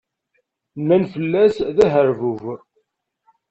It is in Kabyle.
Nnan fell-as d aherbub.